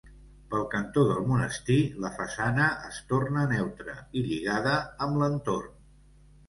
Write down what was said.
Pel cantó del Monestir, la façana es torna neutra i lligada amb l'entorn.